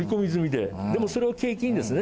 でもそれを契機にですね